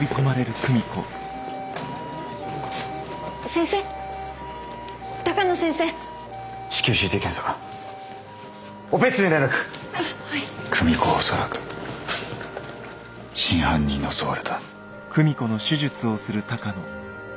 久美子は恐らく真犯人に襲われた。